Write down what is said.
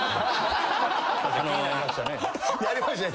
やりましたね。